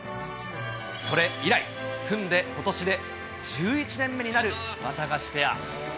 それ以来、組んでことしで１１年目になるワタガシペア。